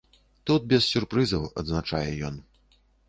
Тут без сюрпрызаў, адзначае ён.